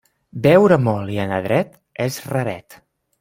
Beure molt i anar dret és raret.